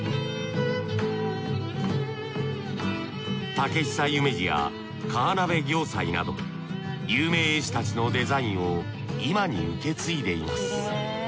竹久夢二や河鍋暁斎など有名絵師たちのデザインを今に受け継いでいます。